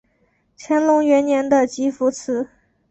乾隆元年的集福祠。